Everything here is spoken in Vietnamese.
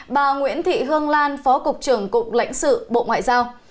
bà nguyễn thị hương lan phó cục trưởng cục lãnh sự bộ ngoại giao